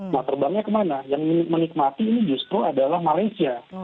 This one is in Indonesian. nah terbangnya kemana yang menikmati ini justru adalah malaysia